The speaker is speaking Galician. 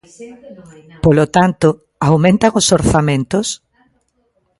Polo tanto, ¿aumentan os orzamentos?